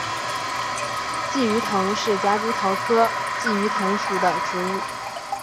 鲫鱼藤是夹竹桃科鲫鱼藤属的植物。